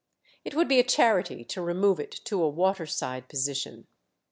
It would be a charity to remove it to a water side position.